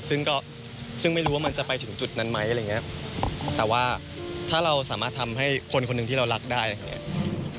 ซึ่งก็ซึ่งไม่รู้ว่ามันจะไปถึงจุดนั้นไหมอะไรอย่างเงี้ยแต่ว่าถ้าเราสามารถทำให้คนคนหนึ่งที่เรารักได้อย่างเงี้ย